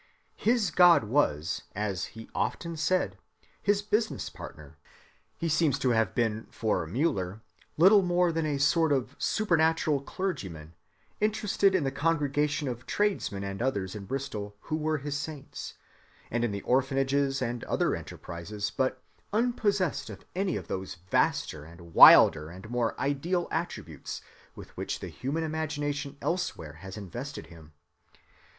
His God was, as he often said, his business partner. He seems to have been for Müller little more than a sort of supernatural clergyman interested in the congregation of tradesmen and others in Bristol who were his saints, and in the orphanages and other enterprises, but unpossessed of any of those vaster and wilder and more ideal attributes with which the human imagination elsewhere has invested him.